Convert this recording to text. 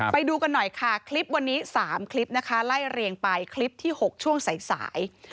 ไปดูกันหน่อยค่ะคลิปวันนี้๓คลิปนะคะไล่เรียงไปคลิปที่๖ช่วงสาย